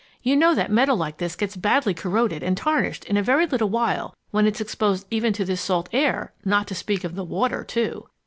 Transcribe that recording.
You know that metal like this gets badly corroded and tarnished in a very little while when it's exposed even to this salt air, not to speak of the water too.